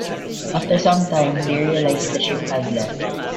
After some time they realized the ship had left.